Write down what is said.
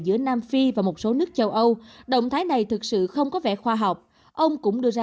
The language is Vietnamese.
giữa nam phi và một số nước châu âu động thái này thực sự không có vẻ khoa học ông cũng đưa ra